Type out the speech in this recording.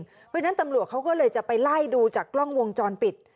เพราะฉะนั้นตำรวจเขาก็เลยจะไปไล่ดูจากกล้องวงจรปิด